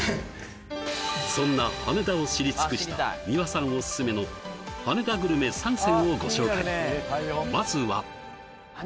そんな羽田を知り尽くした三輪さんおすすめの羽田グルメ３選をご紹介